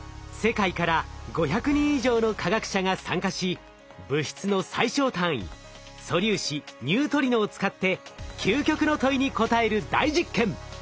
世界から５００人以上の科学者が参加し物質の最小単位素粒子ニュートリノを使って究極の問いに答える大実験。